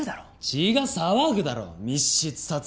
血が騒ぐだろ密室殺人なんて。